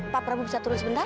pak prabowo bisa turun sebentar